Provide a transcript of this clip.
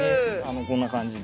こんな感じで。